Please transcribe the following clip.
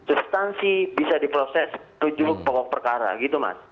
instansi bisa diproses setuju pokok perkara gitu mas